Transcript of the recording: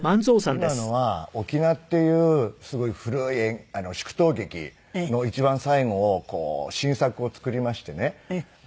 今のは『翁』っていうすごい古い祝祷劇の一番最後を新作を作りましてね。